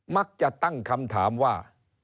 มักจะตั้งคำถามว่า